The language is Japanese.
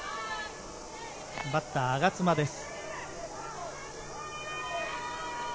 バッターは我妻です。